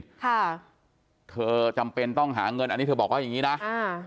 ค่ะเธอจำเป็นต้องหาเงินอันนี้เธอบอกว่าอย่างงี้นะอ่า